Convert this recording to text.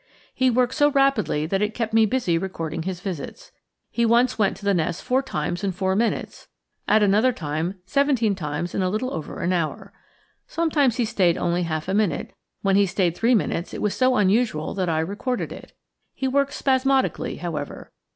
He worked so rapidly that it kept me busy recording his visits. He once went to the nest four times in four minutes; at another time, seventeen times in a little over an hour. Sometimes he stayed only half a minute; when he stayed three minutes, it was so unusual that I recorded it. He worked spasmodically, however.